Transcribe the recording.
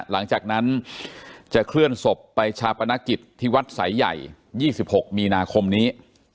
หลังจากนั้นจะเคลื่อนศพไปชาปนกิจที่วัดสายใหญ่๒๖มีนาคมนี้